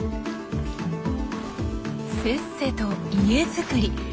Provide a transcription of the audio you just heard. せっせと家づくり。